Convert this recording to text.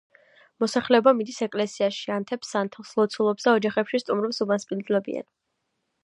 მოსახლეობა მიდის ეკლესიაში, ანთებს სანთელს, ლოცულობს და ოჯახებში სტუმრებს უმასპინძლდებიან.